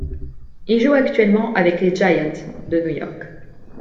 Il joue actuellement avec les Giants de New York.